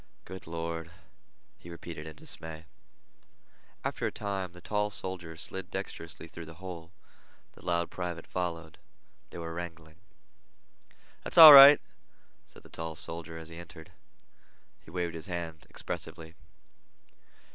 "Good Lord!" he repeated in dismay. After a time the tall soldier slid dexterously through the hole. The loud private followed. They were wrangling. "That's all right," said the tall soldier as he entered. He waved his hand expressively.